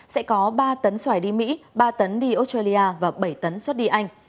sẽ có ba tấn xoài đi mỹ ba tấn đi australia và bảy tấn xuất đi anh